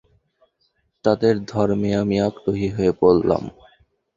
তাদের ধর্মে আমি আগ্রহী হয়ে পড়লাম।